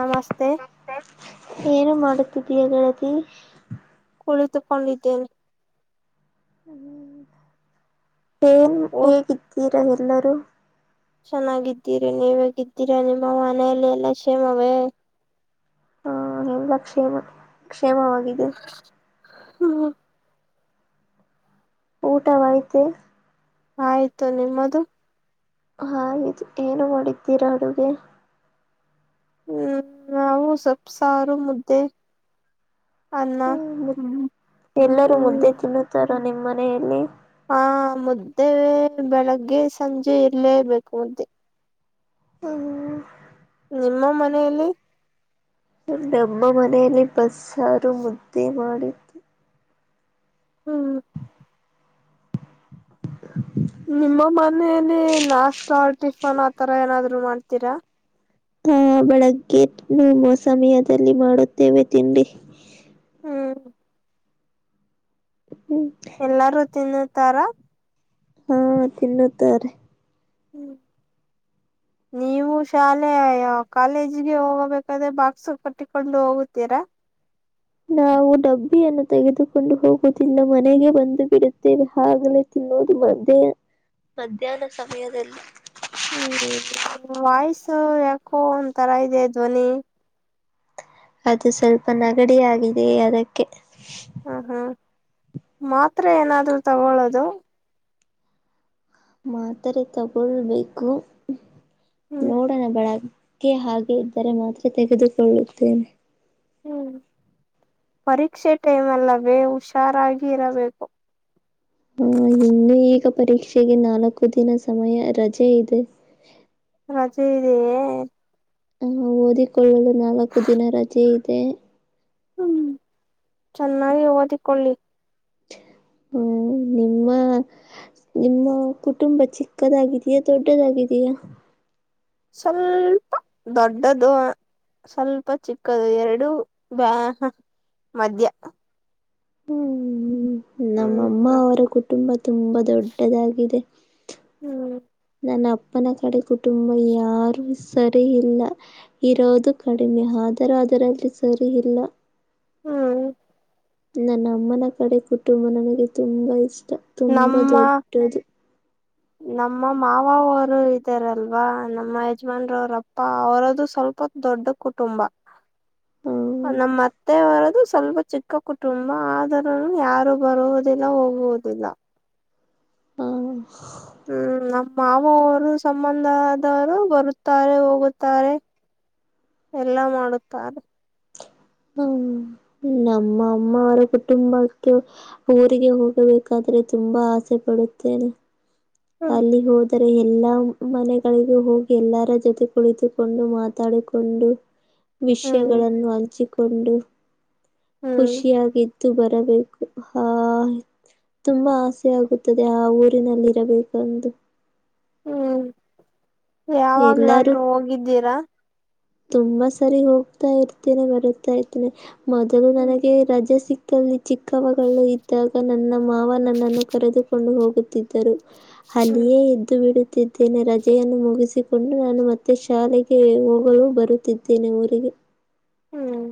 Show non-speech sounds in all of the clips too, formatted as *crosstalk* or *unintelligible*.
ನಮಸ್ತೆ ಏನು ಮಾಡುತ್ತಿದ್ದೀಯಾ ಗೆಳತಿ ಕುಳಿತುಕೊಂಡಿದ್ದೇನೆ ಏನ್ ಓ ಹೇಗಿದ್ದೀರಾ ಎಲ್ಲರೂ ಚೆನ್ನಾಗಿದ್ದೀರಿ ನೀವೇಗಿದ್ದೀರಾ ನಿಮ್ಮ ಮನೆಯಲ್ಲಿ ಎಲ್ಲ ಕ್ಷೇಮವೇ ಹಾ ಎಲ್ಲ ಕ್ಷೇಮ ಕ್ಷೇಮವಾಗಿದೆ ಹ್ಮ ಊಟವಯ್ತೆ ಆಯ್ತು ನಿಮ್ಮದು ಅಯ್ತು ಏನು ಮಾಡಿದ್ದೀರಾ ಅಡುಗೆ ಹ್ಮ್ ನಾವು ಸ್ವಪ್ಲ್ಸಾರು ಮುದ್ದೆ ಅನ್ನ ಹ್ಮ ಹ್ಮ್ ಎಲ್ಲರೂ ಮುದ್ದೆ ಹ್ಮ್ ತಿನ್ನುತ್ತಾರ ನಿಮ್ಮ್ ಮನೆಯಲ್ಲಿ ಹಾ ಮುದ್ದೆ ಬೆಳಗ್ಗೆ ಸಂಜೆ ಇರ್ಲೇಬೇಕು ಮುದ್ದೆ ಹ ನಿಮ್ಮ ಮನೆಯಲ್ಲಿ ನಮ್ಮ ಮನೆಯಲ್ಲಿ ಬಸ್ಸಾರು ಮುದ್ದೆ ಮಾಡಿ ಹ್ಮ್ ಹ ನಿಮ್ಮ ಮನೆಯಲ್ಲಿ ನಾಸ್ತಾ ಟಿಫನ್ ಆತರ ಏನಾದ್ರು ಮಾಡ್ತೀರಾ ಆ ಬೆಳಗ್ಗೆ ನವು ಸಮಯದಲ್ಲಿ ಮಾಡುತ್ತೇವೆ ತಿಂಡಿ ಹ್ಮ್ ಹ್ಮ್ ಎಲ್ಲಾರೂ ತಿನ್ನುತ್ತಾರ ಹಾ ತಿನ್ನುತ್ತಾರೆ ್ಮ ನೀವು ನೀವು ಶಾಲೆ ಕಾಲೇಜಗೆ ಹೋಗಬೇಕಾದ್ರೆ ಬಾಕ್ಸ್ ಕಟ್ಟಿಕೊಂಡು ಹೋಗುತ್ತೀರಾ ನಾವು ಡಬ್ಬಿಯನ್ನು ತೆಗೆದುಕೊಂಡು ಹೋಗುವುದಿಲ್ಲ ಮನೆಗೆ ಬಂದು ಬಿಡುತ್ತೇವೆ ಆಲೇ ಅನ್ನೋದು ಮಧ್ಯ ಮಧ್ಯಾಹ್ನ ಸಮಯದಲ್ಲಿ ಹ್ಮ್ ವಾಯ್ಸ ಯಾಕೋ ಒಂ ತರ ಇದೆ ಧ್ವನಿ ಅದು ಸ್ವಲ್ಪ ನಗಡಿ ಆಗಿದೆಯೇ ಅದಕ್ಕೆ ಮಾತ್ರ ಏನಾದ್ರು ತಗೊಳ್ಳೋದು ಮಾತರೆ ತಗೊಳ್ಬೇಕು ಹ್ಮ್ ನೋಡೋಣ ಬೆಳಿಗ್ಗೆ ಕೆ ಹಾಗೆ ಇದ್ದರೆ ಮಾತ್ರ ತೆಗೆದುಕೊಳ್ಳುತ್ತೇನೆ ಹ್ಮ್ ಪರೀಕ್ಷೆ ಟೈಮ್ ಅಲ್ಲವೇ ಹುಷಾರಾಗಿ ಇರಬೇಕು ಹಾ ಇನ್ನು ಈಗ ಪರೀಕ್ಷೆಗೆ ನಾಲ್ಕು ದಿನ ಸಮಯ ರಜೆ ಇದೆ ರಜೆ ಇದೆಯೇ ಆಹ ಓದಿಕೊಳ್ಳಲು ನಾಲ್ಕು ದಿನ ರಜೆ ಇದೆ ಹ್ಮ್ ಚೆನ್ನಾಗಿ ಓದಿಕೊಳ್ಳಿ ಹ್ಮ ನಿಮ್ಮ ಹ ನಿಮ್ಮ ಕುಟುಂಬ ಚಿಕ್ಕದಾಗಿದಯಾ ದೊಡ್ಡದಾಗಿದಯಾ ಸ್ವಲ್ಪ ದೊಡ್ಡದು ಸ್ವಲ್ಪ ಚಿಕ್ಕದು ಎರಡು ಬ್ಯಾ ಮಧ್ಯ್ಯ ಹ್ಮ್ ನಮ್ಮಮ್ಮ ಹ್ಮ್ ಅವರ ಕುಟುಂಬ ತುಂಬಾ ದೊಡ್ಡದಾಗಿದೆ ಹ್ಮ್ ನನ್ನ ಅಪ್ಪನ ಕಡೆ ಕುಟುಂಬ ಯಾರು ಸರಿ ಇಲ್ಲ ಇರೋದು ಕಡಿಮೆ ಅದರ ಅದರಲ್ಲಿ ಸರಿ ಇಲ್ಲ ಹ್ಮ್ ನನ್ನ ಅಮ್ಮನ ಕಡೆ ಕುಟುಂಬ ನನಗೆ ತುಂಬಾ ಇಷ್ಟ ತುಂಬಾ ದೊಡ್ಡದು ಹ್ಮ ನಮ್ಮ ಮಾವವರು ಇದಾರಲ್ವಾ ನಮ್ಮ ಯಜಮಾನ್ರವ್ರ ಅಪ್ಪ ಅವರದು ಸ್ವಲ್ಪ ದೊಡ್ ದೊಡ್ಡ ಕುಟುಂಬ ಹ ನಮ್ಮ ಅತ್ತೆವರದು ಸ್ವಲ್ಪ ಚ ಚಿಕ್ಕ ಕುಟುಂಬ ಆದರೂ ಯಾರು ಬರುದಿಲ್ಲ ಹೋಗುವುದಿಲ್ಲ ಹಾ ಹ್ಮ್ ಮಾವವರು ಸಂಬಂಧ ಆದವರು ಬರುತ್ತಾರೆ ಹೋಗುತ್ತಾರೆ ಎಲ್ಲ ಮಾಡುತ್ತಾರೆ ಹ್ಮ ನಮ್ಮ ಅಮ್ಮವರ ಕುಟುಂಬಕ್ಕೆ ಊರಿಗೆ ಹೋಗಬೇಕಾದ್ರೆ ತುಂಬಾ ಆಸೆ ಪಡುತ್ತೇನೆ ಹ್ಮ್ ಅಲ್ಲಿ ಹೋಿ ರೆ ಎಲ್ಲಾ ಮನೆಗಳಿಗೂ ಹೋಗಿ ಎಲ್ಲರ ಜೊತೆ ಕುಳಿತುಕೊಂಡು ಮಾತಾಡಿಕೊಂಡು ಹ್ಮ್ ವಿಷಯಗಳನ್ನು ಹಂಚಿಕೊಂಡು ಹ್ಮ್ ಖುಷಿಯಾಗಿ ಬರಬೇಕು ಆ ತುಂಬಾ ಆಸೆ ಆಗುತ್ತದೆ ಆ ಊರಿನಲ್ಲಿ ಇರಬೇಕು ಬಂದು್ ಹ್ಮ್ ಎಲ್ಲರೂ ಯಾವಾಗ್ಲಾದ್ರೂ ಹೋಗಿದ್ದೀರಾ ತುಂಬಾ ಸರಿ ಹೋಗ್ತಾ ಇರ್ತೇನೆ ಬರುತಾ ಇರ್ತೇನೆ ಮೊದಲು ಹ್ಮ್ ನನಗೆ ರಜೆ ಸಿ ಲ್ಲಿ ಚಿಕ್ಕವಗಳು ಇದ್ದಾಗ ನನ್ನ ಮಾವ ನನ್ನನ್ನು ಕರೆದುಕೊಂಡು ಹೋಗುತ್ತಿದ್ದರು ಹ್ಮ್ ಅಲಿಯೇ ಎದ್ದು ಬಿಡುತ್ತಿದ್ದೇನೆ ರಜೆಯನ್ನು ಮುಗಿಸಿ ಿಕೊಂಡು ನಾನು ಮತ್ತೆ ಶಾಲೆಗೆ ಹೋಗಲು ಬರುತ್ತಿದ್ದೇನೆ ಊರಿಗೆ ಹ್ಮ್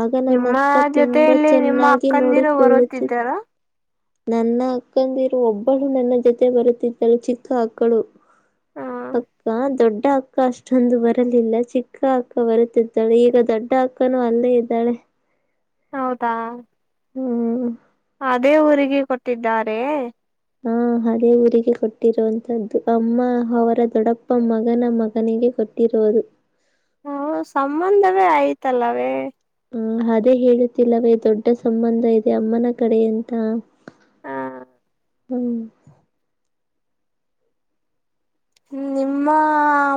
ಆಗ ನನ್ನ ನಿಮ್ಮ ಅಕ್ಕ ತುಂಬಾ ಜೊತೆಯಲ್ಲಿ ನಿಮ್ಮ ಚೆನ್ನಾಗಿ ಅಕ್ಕಂದಿರು ನೋಡಿಕೊಳ್ಳುತ್ತಿ ಬರುತ್ತಿದ್ದಾರ ನನ್ನ ಅಕ್ಕಂದಿರುವ ಒಬ್ಬಳು ನನ್ನ ಜೊತೆ ಬರುತ್ತಿದ್ದರು ಚಿಕ್ಕ ಅಕ್ಕಳು ಹ್ಮ್ ಅಕ್ಕ ದೊಡ್ಡ ಅಕ್ಕ ಅಷ್ಟೊಂದು ಬರಲಿಲ್ಲ ಚಿಕ್ಕ ಅಕ್ಕ ಬರುತ್ತಿದ್ದಾಳೆ ಈಗ ದೊಡ್ಡ ೊಡ್ಡ ಹಾಕ್ಕಾನ ಅಲ್ಲೇ ಇದ್ದಾಳೆ ಹೌದಾ ಹ್ಮ್ ಅದೇ ಊರಿಗೆ ಕೊಟ್ಟಿದ್ದಾರೆ ಹಾ ಅದೇ ಊರಿಗೆ ಕೊಟ್ಟಿರುವಂತದ್ದು ಅಮ್ಮ ಅವರ ದೊಡ್ಡಪ್ಪ ಮಗನ ಮಗನಿಗೆ ಕೊಟ್ಟಿರುೋದು ಹ ಸಂಬಂಧವೇ ಆಯ್ತಲ್ಲವೇ ಹ ಅದೇ ಹೇಳುತ್ತಿಲ್ಲವೇ ದೊಡ್ಡ ಸಂಬಂಧ ಇದೆ ಅಮ್ಮನ ಕಡೆ ಎಂತ ಹ ಹ್ಮ್ ನಿಮ್ಮ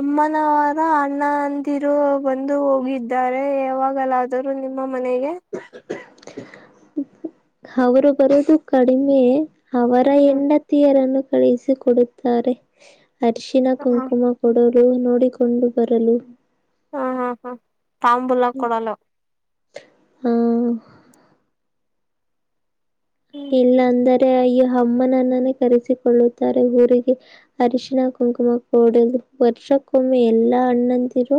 ಅಮ್ಮನವರ ಅಣ್ಣ ಅಂದಿರು ಬಂದು ಹೋಗಿದ್ದಾರೆ ಯಾವಾಗಲ್ಲ ಆದರೂ ನಿಮ್ಮ ಮನೆಗೆ ಅವರು ಬರುೋದು ಕಡಿಮೆ ಅವರ ಹ್ಮ್ ಹೆಂಡತಿಯರನ್ನು ಕಳುಹಿಸಿಿಕ ಕೊಡುತ್ತಾರೆ ಅರ್ಷಿನ ಹ ಕುಂಕುಮ ಕೊಡರು ನೋಡಿಕೊಂಡು ಬರಲು ಹಾ ಹಾ ಹಾ ತಾಂಬುಲ್ಲ ಕೊಡಲ್ಲ ಹ್ಮ ಹ್ಮ್ ಇಲ್ಲ ಅಂದ್ರ ಮ ಈ ಅಮ್ಮನನ್ನೇ ಕರೆಸಿಕೊಳ್ಳುತ್ತಾರೆ ಊರಿಗೆ ಅರಿಶಿಣ ಕುಂಕುಮ ಒಡದು ವರ್ಷಕ್ಕೊಮ್ಮೆ ಎಲ್ಲಾ ಹಣ್ಣಂದಿರು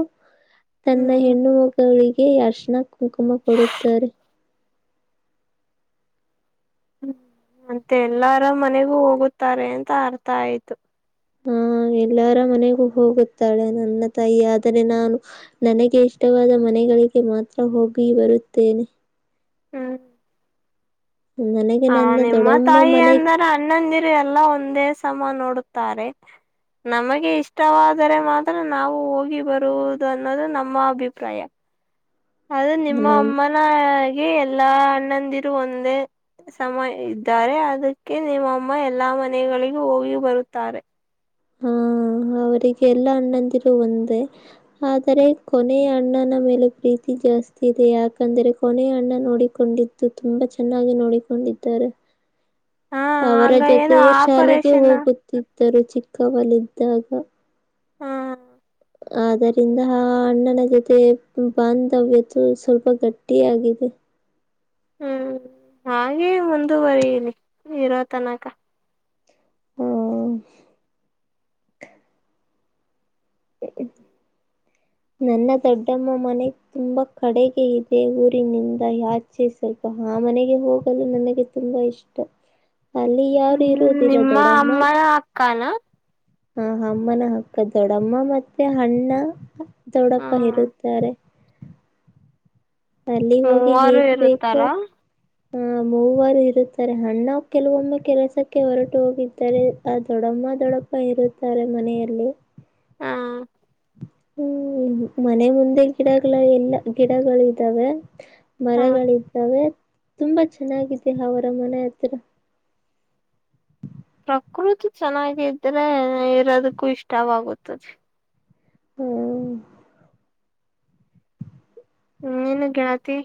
ತನ್ನ ಹ್ಮ್ ಹೆಣ್ಣು ಮಗಗಳಿಗೆ ಅರ್ಶನಾ ಕುಂಕುಮ ಕೊಡುತ್ತಾರೆ ಹ್ಮ್ ಮತ್ತೆ ಎಲ್ಲಾರ ಮನೆಗೂ ಹೋಗುತ್ತಾರೆ ಅಂತ ಅರ್ಥ ಆಯ್ತು ಆ *inaudible* ಎಲ್ಲರ ಮನೆಗೂ ಹೋಗುತ್ತಾಳೆ ನನ್ನ ತಾಯಿ ಆದರೆ ನಾನು ನನಗೆ ಇಷ್ಟವಾದ ಮನೆ ಗಳಿಗೆ ಮಾತ್ರ ಹೋಗಿ ಬರುತ್ತೇನೆ ಹ್ಮ್ ನನಗೆ ಹ ನನ್ನ ನಿಮ್ಮ ದೊಡ್ಡಮ್ಮ ತಾಯಿ ಮನೆ ಅಂದ್ರ ಅಣ್ಣಂದಿರು ಎಲ್ಲ ಒಂದೇ ಸಮ ನೋಡುತ್ತಾರೆ ನಮಗೆ ಇಷ್ಟವಾದರೆ ಮಾತ್ರ ನಾವು ಹೋಗಿ ಬರುವುದು ಅನ್ನೋದು ನಮ್ಮ ಅಭಿಪ್ರಾಯ ಅದು ನಿಮ್ಮ ನಮ್ಮ ಅಮ್ಮನೆ ಎಲ್ಲಾ ಅಣ್ಣಂದಿರು ಒಂದೇ ಸಮಯ ಇದ್ದಾರೆ ಅದಕ್ಕೆ ನಿಮ್ಮಮ್ಮ ಎಲ್ಲಾ ಮನೆಗಳಿಗೂ ಹೋಗಿ ಬರುತ್ತಾರೆ ಹ್ಮ ಅವರಿಗೆ ಎಲ್ಲಾ ಅಣ್ಣಂದಿರುೂ ಒಂದೇ ಆದರೆ ಕೊನೆಯ ಅಣ್ಣನ ಮೇಲೆ ಪ್ರೀತಿ ಜಾಸ್ತಿ ಇದೆ ಯಾಕಂದ್ರೆ ಕೊನೆಯ ಅಣ್ಣ ನೋಡಿಕೊಂಡಿದ್ದು ತುಂಬಾ ಚೆನ್ನಾಗಿ ನೋಡಿಕೊಂಡಿದ್ದಾರೆ ಹಾ ಅವರ ಆಗ ಏನು ಜೊತೆಯೇ ಶಾಲೆಗೆ ಆಪರೇಷನ್ ಹೋಗುತ್ತಿದ್ದರು ಚಿಕ್ಕವಲ್ಲಿದ್ದಾಗ ಹ ಆದರಿಂದ ಅಣ್ಣನ ಜೊತೆ ಬಾಂಧವ್ಯತ ಸ್ವಲ್ಪ ಗಟ್ಟಿಯಿಯಗಾಗಿದೆ ಹ್ಮ್ ಹಾಗೆ ಮುಂದುವರಿಲಿ ಇರುವ ತನಕ ಹ *unintelligible* ನನ್ನ ದೊಡ್ಡಮ್ಮ ಮನೆ ತುಂಬಾ ಕಡೆಗೆ ಇದೆ ಊರಿನಿಂದ ಯಾಚೆ ಸ್ವಲ್ಪ ಹಾ ಮನೆಗೆ ಹೋಗಲು ನನಗೆ ತುಂಬಾ ಇಷ್ಟ *inaudible* ಅಲ್ಲಿ ಹ ಯಾರು ಹ್ಮ್ ಇರುವುದಿಲ್ಲ ನಿಮ್ಮ ಅಮ್ಮನ ಅಕ್ಕಾನ ಹ ಅಮ್ಮನ ಹಕ್ಕ ದೊಡ್ಡಮ್ಮ ಮತ್ತೆ ಅಣ್ಣ ದೊಡ್ಡಪ್ಪ ಹ್ಮ್ ಇರುತ್ತಾರೆ *inaudible* ಅಲ್ಲಿ ಹೋಗಿ ಮೂವರು ಹೇಗ್ಬೇಕು ಇರುತ್ತಾರ ಆ ಮೂವರು ಇರುತ್ತಾರೆ ಅಣ್ಣ ಕೆಲವೊಮ್ಮೆ ಕೆಲಸಕ್ಕೆ ಹೊರಟು ಹೋಗಿದ್ದಾರೆ ಆ ದೊಡ್ಡೊಮ್ಮ ತಮ್ಮ ದೊಡ್ಡಪ್ಪ ಇರುತ್ತಾರೆ ಮನೆಯಲ್ಲಿ ಹ ಹ್ಮ್ ಮನೆ ಮುಂದೆ ಗಿಡಗಳ ಎಲ್ಲ ಗಿಡಗಳು ಇದ್ದಾವೆ ಹ ಮರಗಳಿದ್ದಾವೆ ತುಂಬಾ ಚೆನ್ನಾಗಿದೆ ಅವರ ಮನೆ ಹತ್ರ ಪ್ರಕೃತಿ ಚೆನ್ನಾಗಿದ್ರೆ ಇರೋದಕ್ಕೂ ಇಷ್ಟವಾಗುತ್ತದೆ ಹ್ಮ ಹ್ಮ್ ನೀನು ಗೆಳತಿ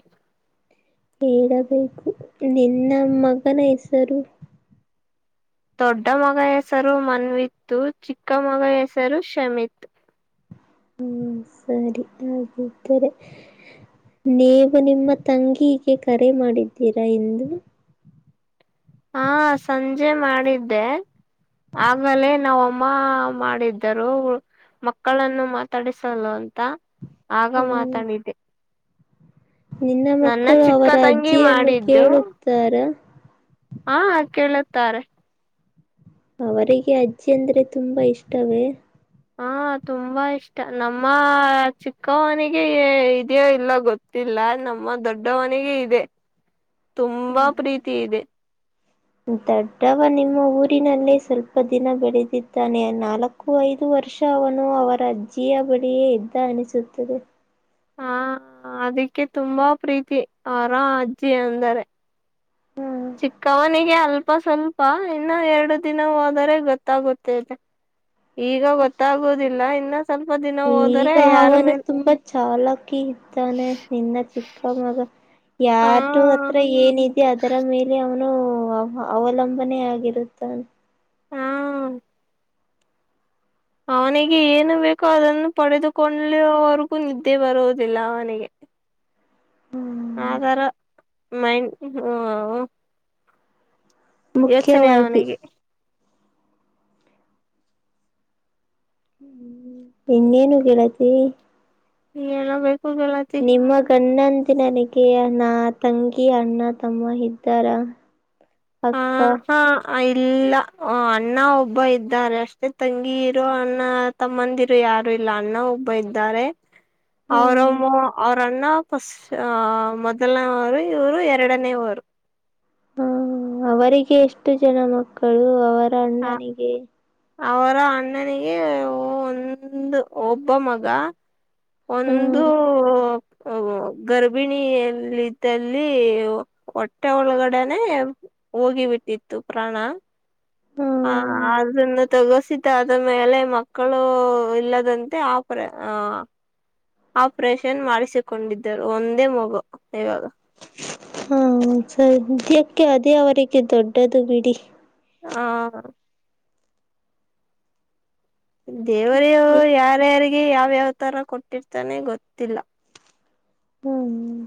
ಹೇಳಬೇಕು ನಿನ್ನ ಮಗನ ಹೆಸರು ದೊಡ್ಡ ಮಗ ಹೆಸರು ಮನ್ವಿತ್ತು ಚಿಕ್ಕ ಮಗ ಹೆಸರು ಶ್ಷಮಿತ್ತು ಹ್ಮ್ *inaudible* ಸರಿ ಆಗಿದರೆ ನೀವು ನಿಮ್ಮ ತಂಗಿಗೆ ಕರೆ ಮಾಡಿದ್ದೀರಾ ಎಂದು ಹಾ ಸಂಜೆ ಮಾಡಿದ್ದೆ ಆಗಲೇ ನಾವ ತಮ್ಮ ಮಾಡಿದ್ದರು ಮಕ್ಕಳನ್ನು ಮಾತಾಡಿಸಲು ಅಂತ ಆಗ ಹ ಮಾತಾಡಿದ್ದೆ ನಿನ್ನ ನನ್ನ ಮಕ್ಕಳು ಚಿಕ್ಕ ಅವರ ತಂಗಿ ಅಜ್ಜಿಯನ್ನು ಕೇಳುತ್ತಾರ ಹಾ ಕೇಳುತ್ತಾರೆ ಅವರಿಗೆ ಅಜ್ಜಿ ಅಂದ್ರೆ ತುಂಬಾ ಇಷ್ಟವೇ ಹಾ ತುಂಬಾ ಇಷ್ಟ ನಮ್ಮ ಚಿಕ್ಕವನಿಗೆ ಇದ್ಯೋ ಇಲ್ಲ ಗೊತ್ತಿಲ್ಲ ನ ತಮ್ಮ ದೊಡ್ಡ ಮನೆಗೆ ಇದೆ ತುಂಬಾ ಪ್ರೀತಿ ಇದೆ ದೊಡ್ಡವ ನಿಮ್ಮ ಊರಿನಲ್ಲೇ ಸ್ವಲ್ಪ ದಿನ ಬೆಳೆದಿದ್ದಾನೆ ನಾಲ್ಕು ಐದು ವರ್ಷ ಅವನು ಅವರ ಅಜ್ಜಿಯ ಬಳಿಯೇ ಇದ್ದ ಅನಿಸುತ್ತದೆ ಹಾ ಅದಕ್ಕೆ ತುಂಬಾ ಪ್ರೀತಿ ಅವರ ಅಜ್ಜಿ ಅಂದರೆ ಹ ಚಿಕ್ಕವನಿಗೆ ಅಲ್ಪ ಸ್ವಲ್ಪ ಇನ್ನು ಎರಡು ದಿನ ಹೋದರೆ ಗೊತ್ತಾಗುತ್ತೈತೆ ಈಗ ಗೊತ್ತಾಗುದಿಲ್ಲ ಇನ್ನ ಸ್ವಲ್ಪ ದಿನ ಹೋದ್ರೆ ಈಗ ಯಾರ ಮೇಲ್ ತಾನೆ ನಿನ್ನ ಚಿಕ್ಕ ಮಗ ಹ ಯಾರು ಹತ್ರ ಏನಿದೆ ಅದರ ಮೇಲೆ ಅವನು ಅವಲಂಬನೆ ಆಗಿರುತ್ತ ಹಾ ಅವನಿಗೆ ಏನು ಬೇಕೋ ಅದನ್ನು ಪಡೆದುಕೊಳ್ಳವರ್ಗೂ ನಿದ್ದೆ ಬರುವುದಿಲ್ಲ ಅವನಿಗೆ ಆರ ಮೈ ಹ ಮುಖ್ಯವಾಗಿ ಅವನಿಗೆ ಇನ್ನೇನು ಕಡತಿ ನೀ ಹೇಳಬೇಕು ನಿಮ್ಮ ಗನ್ನ ದಿನಕ್ಕೆ ನಾ ತಂಗಿ ಅಣ್ಣ ತಮ್ಮ ಇದ್ದಾರ ಅಕ್ಕ ಹಾ ಆ ಇಲ್ಲ ಅಣ್ಣ ಒಬ್ಬ ಇದ್ದಾರೆ ಅಷ್ಟೇ ತಂಗಿ ಇರೋ ಅಣ್ಣ ತಮ್ಮಂದಿರೋ ಯಾರು ಇಲ್ಲ ಅನ್ನ ಒಬ್ಬ ಇದ್ದಾರೆ ಹ ಅವ್ರಮ್ಮ ಅವ್ರನ್ನ ಫಸ್ಟ್ ಮೊದಲನೇವರು ಇವ್ರು ಎರಡನೇ ಅವರು ಹ್ಮ ಅವರಿಗೆ ಎಷ್ಟು ಜನ ಮಕ್ಕಳು ಅವರ ಅಣ್ಣನಿಗೆ ಅವರ ಅಣ್ಣನಿಗೆ ಒಂದು ಒಬ್ಬ ಮಗ ಹ ಒಂದು ಗರ್ಭಿಣಿಯಲ್ಲಿದ್ದಲ್ಲಿ ಹೊಟ್ಟೆ ಒಳಗಡನೆೇ ಹೋಗಿಬಿಟ್ಟಿತ್ತು ಪ್ರಾಣ ಹ ಅದನ್ನು ತಗೋಸಿದ ಆದ ಮೇಲೆ ಮಕ್ಕಳು ಇಲ್ಲದಂತೆ ಆ ಪ್ರಯ ಹ ಆಪ್ರೇಷನ್ ಮಾಡಿಸಿಕೊಂಡಿದ್ದರು ಒಂದೇ ಮಗು ಇವಾಗ ಹಾ ಸದ್ಯಕ್ಕೆ ಅದೇ ಅವರಿಗೆ ದೊಡ್ಡದು ಬಿಡಿ ಹಾ ದೇವರ ಯಾರ್ಯಾರಿಗೆ ಯಾವ್ಯಾವ್ ತರ ಕೊಟ್ಟಿರ್ತಾನೆ ಗೊತ್ತಿಲ್ಲ ಹ್ಮ್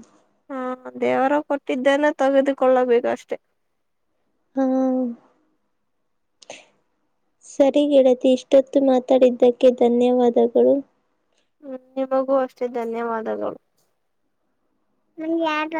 ಹಾ ದೇವರು ಕೊಟ್ಟಿದ್ದನೆ ತೆಗೆದುಕೊಳ್ಳಬೇಕು ಅಷ್ಟೆ ಹಾ ಸರಿ ಗೆಳತಿ ಇಷ್ಟೊತ್ತು ಮಾತಾಡಿದ್ದಕ್ಕೆ ಧನ್ಯವಾದಗಳು ಹ್ಮ್ ನಿಮಗೂ ಅಷ್ಟೇ ಧನ್ಯವಾದಗಳು ಹ ಯಾರ